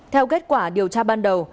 theo kết quả điều tra ban đầu